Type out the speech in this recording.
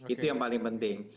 itu yang paling penting